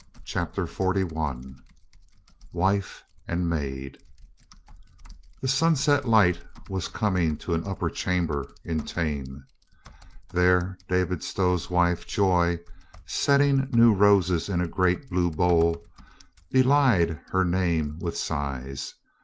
CHAPTER FORTY ONE WIFE AND MAID 'T^HE sunset light was coming to an upper cham ■ ber in Thame. There David Stow's wife, Joy, setting new roses in a great blue bowl, belied her name with sighs.